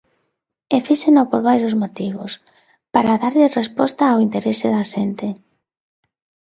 E fíxeno por varios motivos: para darlle resposta ao interese da xente.